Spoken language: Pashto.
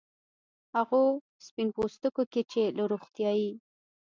هغو سپین پوستکو کې چې له روغتیايي